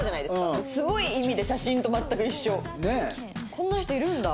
こんな人いるんだ。